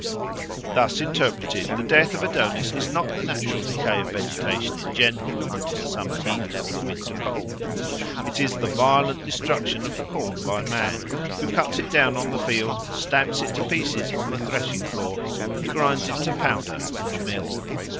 Thus interpreted the death of Adonis is not the natural decay of vegetation in general under the summer heat or the winter cold; it is the violent destruction of the corn by man, who cuts it down on the field, stamps it to pieces on the threshing floor, and grinds it to powder in the mill.